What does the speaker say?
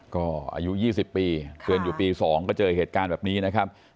ก็อายุ๒๐ปีเรียนอยู่ปี๒ก็เจอเหตุการณ์แบบนี้นะครับ